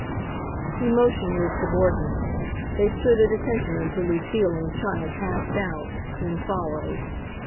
He motioned to his subordinates. They stood at attention until Lucile and the child passed out, then followed.